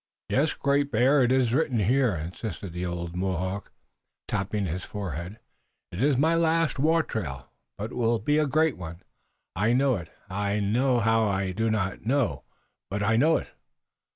"Yes, Great Bear, it is written here," insisted the old Mohawk, tapping his forehead. "It is my last war trail, but it will be a great one. I know it. How I know it I do not know, but I know it.